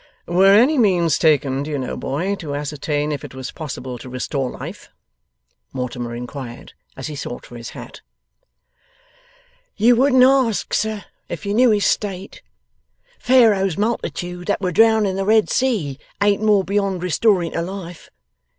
'Were any means taken, do you know, boy, to ascertain if it was possible to restore life?' Mortimer inquired, as he sought for his hat. 'You wouldn't ask, sir, if you knew his state. Pharaoh's multitude that were drowned in the Red Sea, ain't more beyond restoring to life.